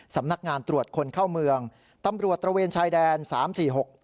สำนักงานตรวจคนเข้าเมืองตำรวจตระเวนชายแดนสามสี่หก